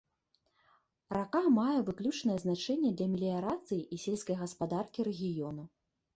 Рака мае выключнае значэнне для меліярацыі і сельскай гаспадаркі рэгіёну.